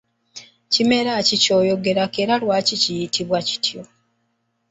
Kimera ki ky’enjogerako era lwaki kiyitibwa kityo?